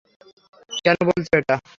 কেন বলছো এটা?